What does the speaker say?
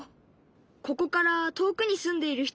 ここから遠くに住んでいる人。